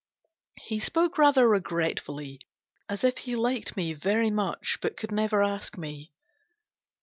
He spoke rather regretfully, as if he liked me very much, but could never ask me.